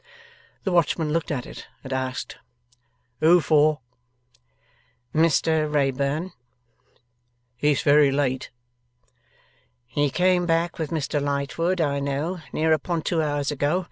The watchman looked at it, and asked: 'Who for?' 'Mr Wrayburn.' 'It's very late.' 'He came back with Mr Lightwood, I know, near upon two hours ago.